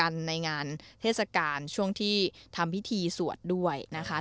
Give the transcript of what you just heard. ในงานเทศกาลช่วงที่ทำพิธีสวดด้วยนะคะ